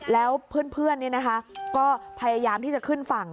แล้วเพื่อนก็พยายามที่จะขึ้นฝั่ง